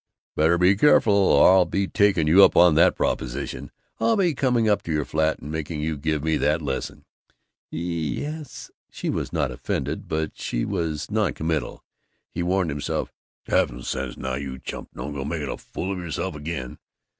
"Better be careful, or I'll be taking you up on that proposition. I'll be coming up to your flat and making you give me that lesson." "Ye es." She was not offended, but she was non committal. He warned himself, "Have some sense now, you chump! Don't go making a fool of yourself again!"